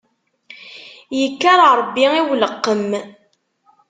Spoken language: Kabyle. Yekker rebbi i uleqqem.